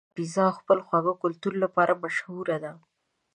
ایتالیا د پاستا، پیزا او خپل خواږه کلتور لپاره مشهوره ده.